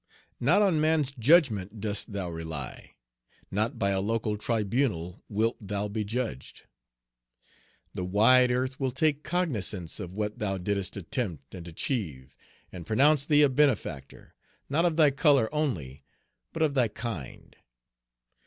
Not on man's judgment dost thou rely. Not by a local tribunal wilt thou be judged. The wide earth will take cognizance of what thou didst attempt and achieve, and pronounce thee a benefactor, not of thy color only, but of thy Page 234 kind.